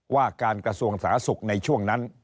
ว่าการกระทรวงสาธารณสุขในช่วงนั้น